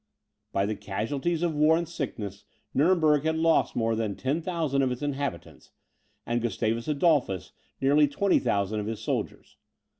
By the casualties of war and sickness, Nuremberg had lost more than 10,000 of its inhabitants, and Gustavus Adolphus nearly 20,000 of his soldiers.